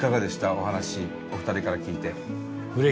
お話お二人から聞いて。